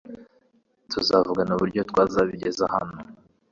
Tuzavuganauburyo twazabigeza hano .